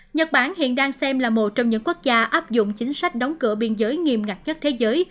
nhật bản hiện đang xem là một trong những quốc gia áp dụng chính sách đóng cửa biên giới nghiêm ngặt nhất thế giới